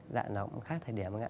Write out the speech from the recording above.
dạ nó cũng khác thời điểm ạ